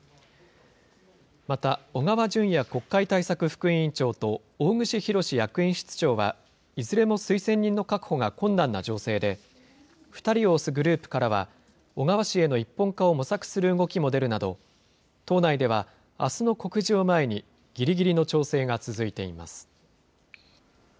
また、小川淳也国会対策副委員長と、大串博志役員室長は、いずれも推薦人の確保が困難な情勢で、２人を推すグループからは、小川氏への一本化を模索する動きも出るなど、党内では、あすの告示を前にぎりぎりの調整が続いています。